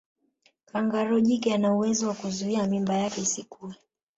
Kangaroo jike anauwezo wa kuzuia mimba yake isikue